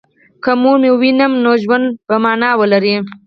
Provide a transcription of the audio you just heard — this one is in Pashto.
که مور مې ووینم نو ژوند به مانا ولري